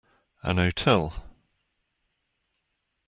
An hotel.